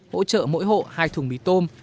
hỗ trợ mỗi hộ hai thùng mì tôm